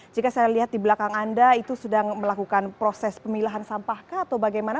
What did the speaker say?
jika saya lihat di belakang anda itu sedang melakukan proses pemilahan sampah kah atau bagaimana